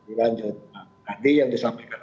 di lanjut tadi yang disampaikan